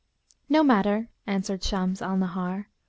'No matter,' answered Shams al Nahar.